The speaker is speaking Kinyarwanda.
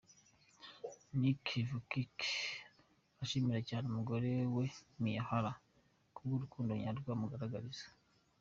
Nick Vujicic ashimira cyane umugore we Miyahara kubw’urukundo nyarwo amugaragariza.